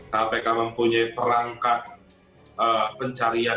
kpk mempunyai perangkat pencarian